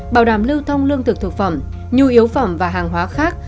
bảo đảm lưu thông lương thực thực phẩm nhu yếu phẩm và hàng hóa khác